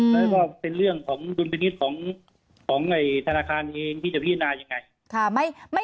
แล้วก็เป็นเรื่องของดุลพินิษฐ์ของธนาคารเองที่จะพิจารณายังไง